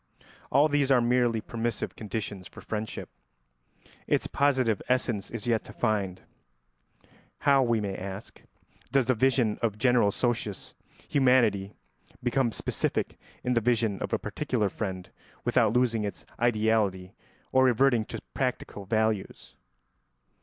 ] All these are merely permissive conditions for friendship; its positive essence is yet to find. How, we may ask, does the vision of the general socius, humanity, become specific in the vision of a particular friend without losing its ideality or reverting to practical values?